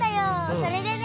それでね。